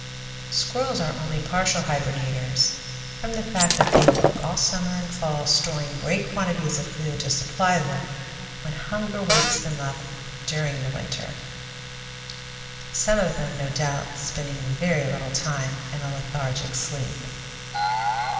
Squirrels are only partial hibernators, from the fact that they work all summer and fall storing great quantities of food to supply them when hunger wakes them up during the winter, some of them, no doubt, spending very little time in a lethargic sleep.